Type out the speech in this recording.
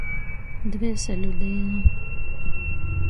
Dvieseļu dīna.